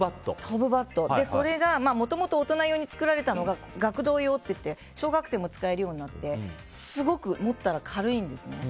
それがもともと大人用に作られたのが学童用っていって小学生も使えるようになってすごく持ったら軽いんですね。